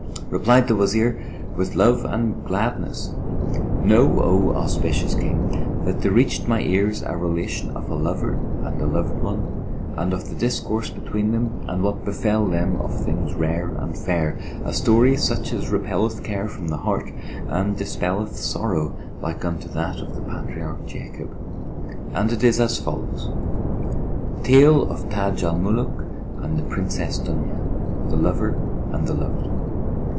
Replied the Wazir, "With love and gladness! Know, O auspicious King, that there reached my ears a relation of a lover and a loved one and of the discourse between them; and what befel them of things rare and fair, a story such as repelleth care from the heart and dispelleth sorrow like unto that of the patriarch Jacob[FN#459]; and it is as follows": Tale of Taj al Muluk and the Princess Dunya (The Lover and the Loved).